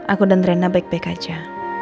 aku dan rena baik baik aja